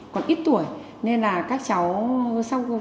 còn ít tuổi nên là các cháu